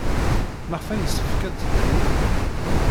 Maɣef ay yessefk ad teddu?